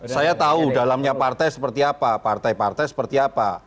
saya tahu dalamnya partai seperti apa partai partai seperti apa